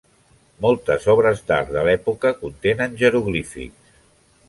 Moltes obres d'art de l'època contenen jeroglífics.